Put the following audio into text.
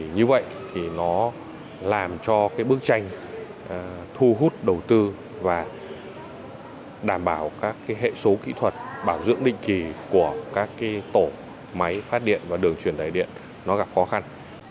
như vậy thì nó làm cho bức tranh thu hút đầu tư và đảm bảo các hệ số kỹ thuật bảo dưỡng định kỳ của các tổ máy phát điện và đường truyền tài điện nó gặp khó khăn